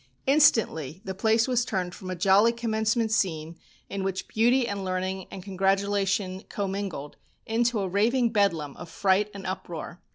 Instantly the place was turned from a jolly commencement scene, in which beauty and learning and congratulation commingled, into a raving bedlam of fright and uproar.